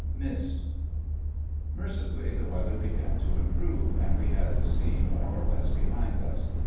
'MISSED!' Mercifully the weather began to improve, and we had the sea more or less behind us.